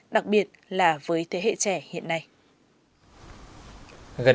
đặc biệt là với thế hệ trẻ hiện nay